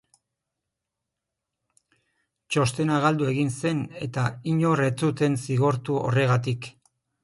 Txostena galdu egin zen eta inor ez zuten zigortu horregatik.